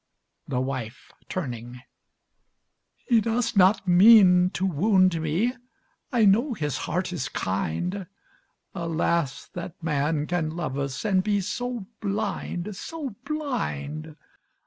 THE WIFE (turning) He does not mean to wound me, I know his heart is kind. Alas! that man can love us And be so blind, so blind.